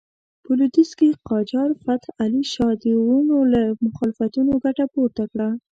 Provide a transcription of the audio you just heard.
په لوېدیځ کې قاجار فتح علي شاه د وروڼو له مخالفتونو ګټه پورته کړه.